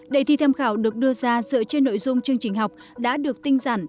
đề thi tham khảo được đưa ra dựa trên nội dung chương trình học đã được tinh giản